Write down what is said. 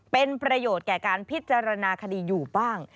เป็นประโยชน์แก่การพิจารณาคดีอยู่บ้าง